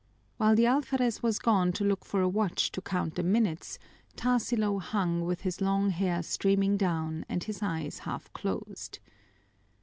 While the alferez was gone to look for a watch to count the minutes, Tarsilo hung with his long hair streaming down and his eyes half closed.